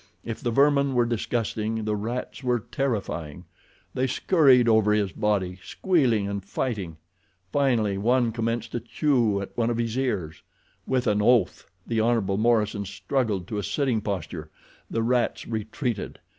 If the vermin were disgusting the rats were terrifying. They scurried over his body, squealing and fighting. Finally one commenced to chew at one of his ears. With an oath, the Hon. Morison struggled to a sitting posture. The rats retreated.